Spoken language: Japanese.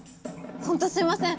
本当すいません！